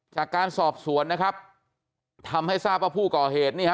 จากการสอบสวนนะครับทำให้ทราบว่าผู้ก่อเหตุนี่ฮะ